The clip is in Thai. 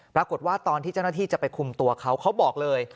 ปรากฏว่าตอนที่เจ้าหน้าที่จะไปคุมตัวเค้าบอกเลย